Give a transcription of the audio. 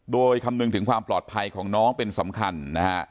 โดยคำนึงถึงความปลอดภัยของน้องเป็นสำคัญนะฮะ